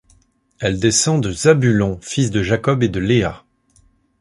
Elle descend de Zabulon, fils de Jacob et de Léa.